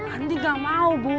andi gak mau bu